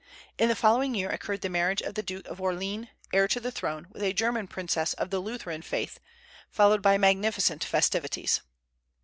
In the following year occurred the marriage of the Duke of Orléans, heir to the throne, with a German princess of the Lutheran faith, followed by magnificent festivities.